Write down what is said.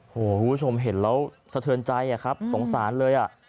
คุณผู้ชมเห็นแล้วสะเทินใจครับสงสารเลย